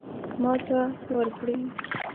ماته ورکړي.